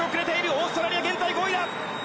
オーストラリアは現在５位だ。